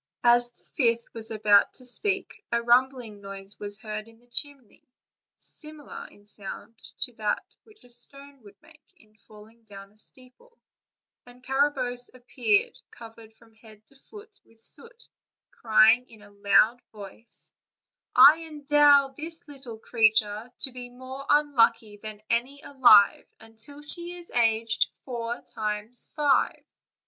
As the fifth was about to speak a rumbling noise was heard in the chimney, similar in sound to that which a stone would make in falling down a steeple, and Carabosse appeared, covered from head to foot with soot, crying in a loud voice: "And I endow this little creature, "' To be more unlucky than any alive, \Jntil she is aged full four times five.' OLD, OLD FAIRY TALES.